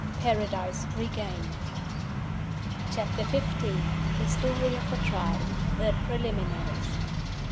PARADISE REGAINED. CHAPTER XV. THE STORY OF THE TRIAL. THE PRELIMINARIES.